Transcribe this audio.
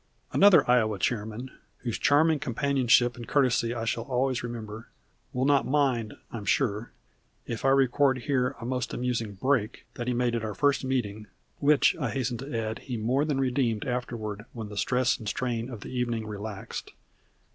"] Another Iowa chairman, whose charming companionship and courtesy I shall always remember, will not mind, I am sure, if I record here a most amusing "break" that he made at our first meeting, which, I hasten to add, he more than redeemed afterward when the stress and strain of the evening relaxed.